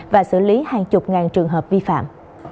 và xử lý hàng chục ngàn trường hợp vi phạm